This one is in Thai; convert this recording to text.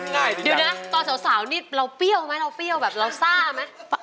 เดี๋ยวนะตอนสาวนี่เราเปรี้ยวไหมเราเปรี้ยวแบบเราซ่าไหม